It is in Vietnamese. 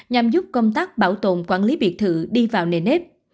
nhằm giúp công tác bảo tồn quản lý biệt thự đi vào nền ép